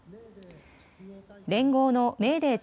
連合のメーデー